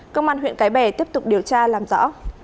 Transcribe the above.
công an huyện cái bè tiếp tục điều tra làm rõ